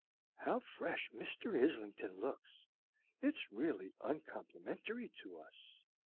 "How fresh Mr. Islington looks! It's really uncomplimentary to us."